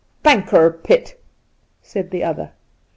' Bankerpitt,' said the other.